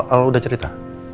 al udah cerita